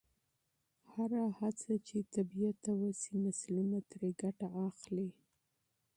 هره هڅه چې طبیعت ته وشي، نسلونه ترې ګټه اخلي.